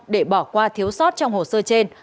để bỏ qua thiếu sót trong hồ sơ trên